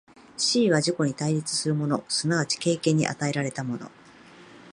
思惟は自己に対立するもの即ち経験に与えられたもの、